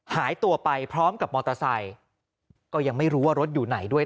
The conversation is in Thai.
หายตัวไปพร้อมกับมอเตอร์ไซค์ก็ยังไม่รู้ว่ารถอยู่ไหนด้วย